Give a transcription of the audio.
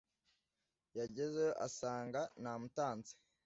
yageze yo asanga namutanze